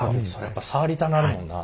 やっぱ触りたなるもんな。